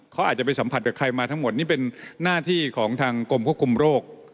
เขาอาจจะไปสัมผัสกับใครมาทั้งหมดนี่เป็นหน้าที่ของทางกรมควบคุมโรค